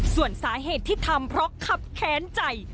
ส่วนสาเหตุที่ทำเพราะคับแค้นใจ